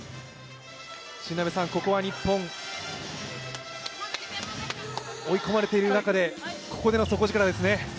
ここは日本、追い込まれている中でここでの底力ですね。